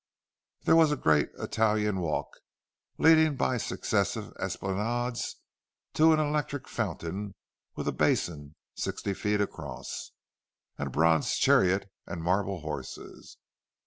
There was a great Italian walk, leading by successive esplanades to an electric fountain with a basin sixty feet across, and a bronze chariot and marble horses.